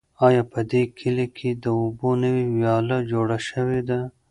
آیا په دې کلي کې د اوبو نوې ویاله جوړه شوې ده؟